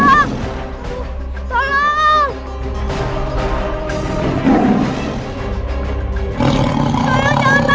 jaga dewa petara